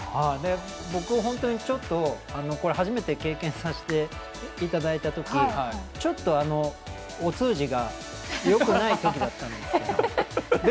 僕、本当にちょっと初めて経験させていただいたときちょっと、お通じがよくないときだったんです。